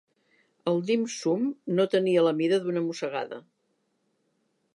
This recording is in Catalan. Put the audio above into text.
El Dim Sum no tenia la mida d'una mossegada.